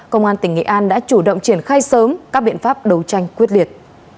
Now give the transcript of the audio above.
công an tỉnh nghệ an đã chủ động triển khai sớm các biện pháp đấu tranh quyết liệt